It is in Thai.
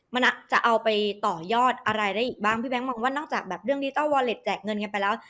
มันอาจจะเอาไปต่อยอดอะไรได้อีกบ้างพี่แบงค์มองว่านอกจากแบบเรื่องดิทัลวอเล็ตแจกเงินกันไปแล้ว